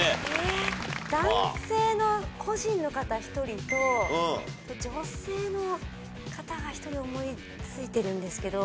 男性の故人の方１人と女性の方が１人思いついているんですけど。